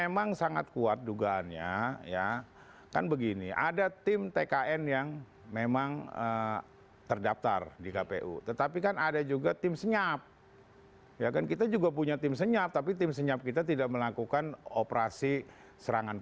maka ya siapa yang bisa melarang